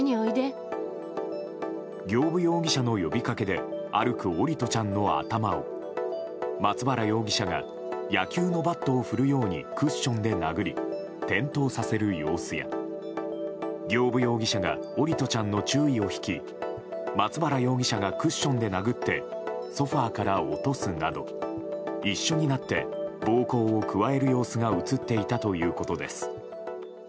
行歩容疑者の呼びかけで歩く桜利斗ちゃんの頭を松原容疑者が野球のバットを振るようにクッションで殴り転倒させる様子や、行歩容疑者が桜利斗ちゃんの注意を引き松原容疑者がクッションで殴ってソファから落とすなど一緒になって暴行を加える様子が映っていたということです。